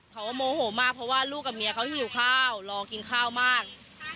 โมโหมากเพราะว่าลูกกับเมียเขาหิวข้าวรอกินข้าวมาก